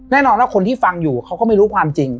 แน่นอนว่าคนที่ฟังอยู่เขาก็ไม่รู้ความจริง